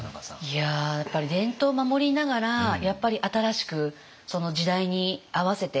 いややっぱり伝統を守りながらやっぱり新しくその時代に合わせて変化していくって。